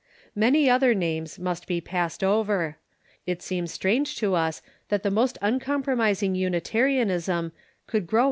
Many otlier names must be passed over. It seems strange to us that the most uncompromising; Unitarianism could o"row *